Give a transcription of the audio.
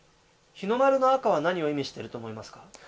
日の丸の赤は何を意味してると思いますか？